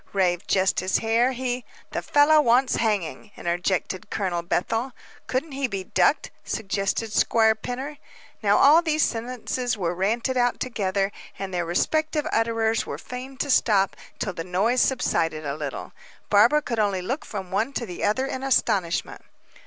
raved Justice Hare. "He " "The fellow wants hanging," interjected Colonel Bethel. "Couldn't he be ducked?" suggested Squire Pinner. Now all these sentences were ranted out together, and their respective utterers were fain to stop till the noise subsided a little. Barbara could only look from one to the other in astonishment.